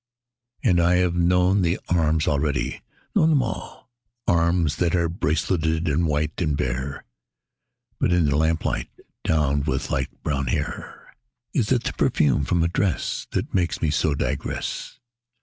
And I have known the arms already, known them all Arms that are braceleted and white and bare (But in the lamplight, downed with light brown hair!) Is it perfume from a dress That makes me so digress?